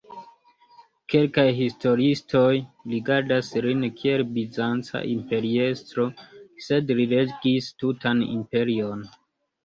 Kelkaj historiistoj rigardas lin kiel Bizanca imperiestro, sed li regis tutan imperion.